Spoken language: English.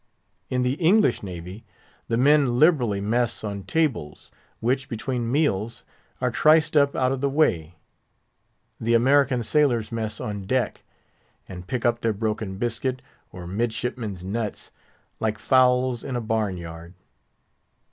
In the English navy, the men liberally mess on tables, which, between meals, are triced up out of the way. The American sailors mess on deck, and pick up their broken biscuit, or midshipman's nuts, like fowls in a barn yard.